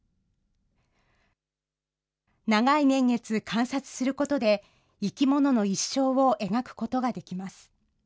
長い年月観察することで、生き物の一生を描くことができます。